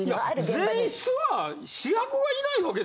いや前室は主役がいないわけですよ。